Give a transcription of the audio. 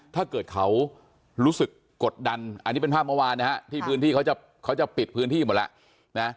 ถ้าเกิดเขารู้สึกกดดันอันนี้เป็นภาพเมื่อวานนะฮะที่พื้นที่เขาจะเขาจะปิดพื้นที่หมดแล้วนะ